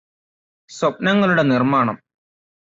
സ്വപ്നങ്ങളുടെ നിര്മ്മാണം